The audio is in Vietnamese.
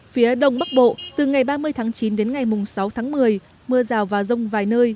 phía đông bắc bộ từ ngày ba mươi tháng chín đến ngày sáu tháng một mươi mưa rào và rông vài nơi